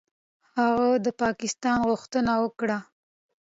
هغه د پاکستان غوښتنه وکړه.